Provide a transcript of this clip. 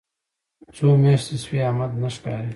څو میاشتې شوې احمد نه ښکاري.